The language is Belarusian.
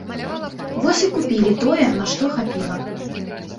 Вось і купілі тое, на што хапіла.